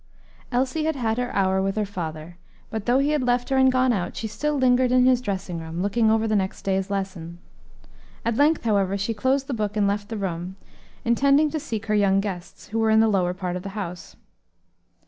Elsie had had her hour with her father, but, though he had left her and gone out, she still lingered in his dressing room, looking over the next day's lesson. At length, however, she closed the book and left the room, intending to seek her young guests, who were in the lower part of the house.